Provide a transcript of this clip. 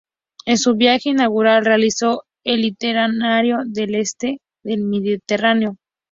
En su viaje inaugural realizó el itinerario del este del Mediterráneo.